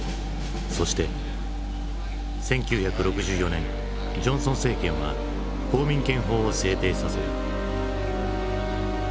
１９６４年ジョンソン政権は公民権法を制定させる。